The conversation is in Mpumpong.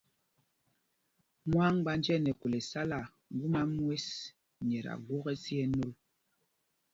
Mwâmgbánj ɛ nɛ khûl ɛsala ŋgum mwes nyɛ ta gwok ɛsi ɛ nôl.